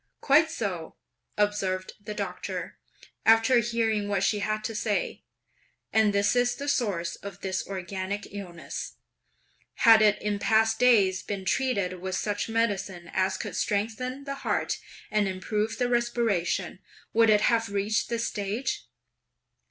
"Quite so!" observed the Doctor, after hearing what she had to say, "and this is the source of this organic illness! Had it in past days been treated with such medicine as could strengthen the heart, and improve the respiration, would it have reached this stage?